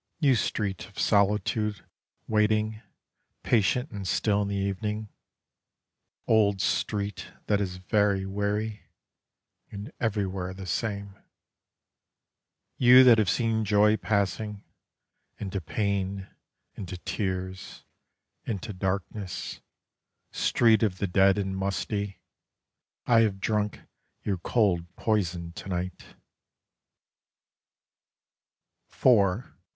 You street of solitude waiting Patient and still in the evening: Old street that is very weary, And everywhere the same; You that have seen joy passing. Into pain, into tears, into darkness, Street of the dead and musty, I have drunk your cold poison to night.